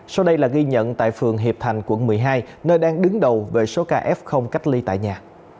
sau đây là ghi nhận tại phường hiệp thành quận một mươi hai nơi đang đứng đầu về số ca f cách ly tại nhà